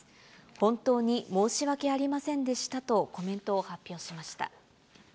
本当に申し訳ありませんでしたとコメントを発表しました。